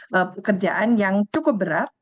pekerjaan yang cukup berat